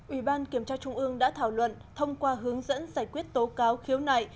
ủy ban kiểm tra trung ương đã thảo luận thông qua hướng dẫn giải quyết tố cáo khiếu nại